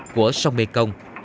của sông mekong